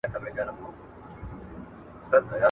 هڅه د هدف ترلاسه کولو لپاره اړینه ده.